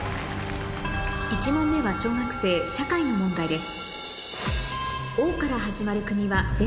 １問目は小学生社会の問題です